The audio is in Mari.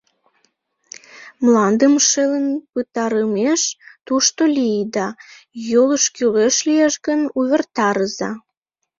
Мландым шелын пытарымеш, тушто лийыда, йолыш кӱлеш лиеш гын, увертарыза.